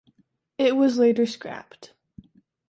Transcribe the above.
It was later scrapped.